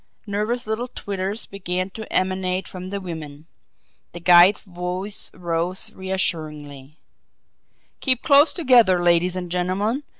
Nervous little twitters began to emanate from the women the guide's voice rose reassuringly: "Keep close together, ladies and gentlemen.